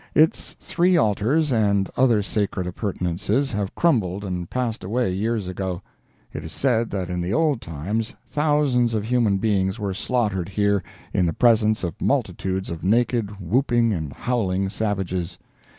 Its three altars and other sacred appurtenances have crumbled and passed away years ago. It is said that in the old times thousands of human beings were slaughtered here, in the presence of multitudes of naked, whooping and howling savages.